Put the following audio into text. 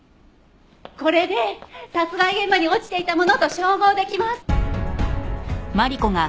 これで殺害現場に落ちていたものと照合できます。